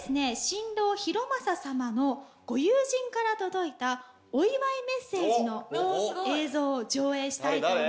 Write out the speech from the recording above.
新郎裕政様のご友人から届いたお祝いメッセージの映像を上映したいと思います。